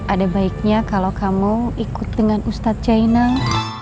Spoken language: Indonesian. ada baiknya kalau kamu ikut dengan ustadz jainang